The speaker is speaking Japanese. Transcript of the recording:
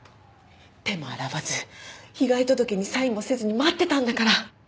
手も洗わず被害届にサインもせずに待ってたんだから。